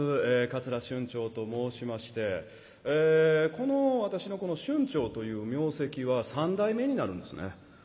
桂春蝶と申しましてこの私のこの「春蝶」という名跡は三代目になるんですね